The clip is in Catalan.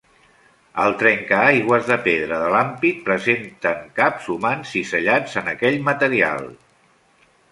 Els trencaaigües de pedra de l'ampit presenten caps humans cisellats en aquell material.